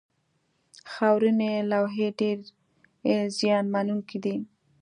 خاورینې لوحې ډېرې زیان منونکې دي.